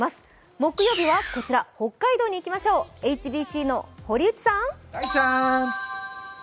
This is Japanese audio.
木曜日は北海道にいきましょうＨＢＣの堀内さん。